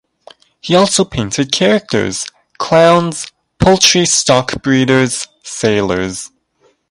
He also painted characters: clowns, poultry stockbreeders, sailors.